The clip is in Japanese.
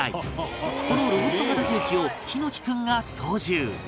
このロボット型重機を枇乃樹君が操縦